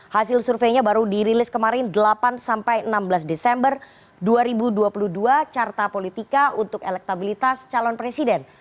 hasil surveinya baru dirilis kemarin delapan enam belas desember dua ribu dua puluh dua carta politika untuk elektabilitas calon presiden